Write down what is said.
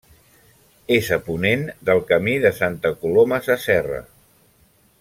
És a ponent del Camí de Santa Coloma Sasserra.